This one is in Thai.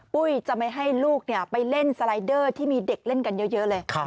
ปุ้ยจะไม่ให้ลูกไปเล่นสไลเดอร์ที่มีเด็กเล่นกันเยอะเลย